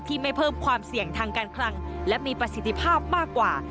ไม่เพิ่มความเสี่ยงทางการคลังและมีประสิทธิภาพมากกว่า